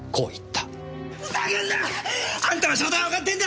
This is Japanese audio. ふざけんな！あんたの正体はわかってんだ。